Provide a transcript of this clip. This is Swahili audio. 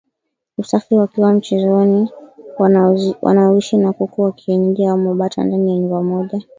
usafi wakiwa mchezoni Wanaoishi na kuku wa kienyeji au mabata ndani ya nyumba moja